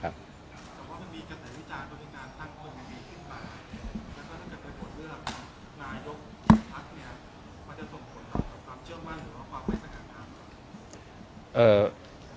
จะเป็นวิธีนรูปหรือไม่ถรัก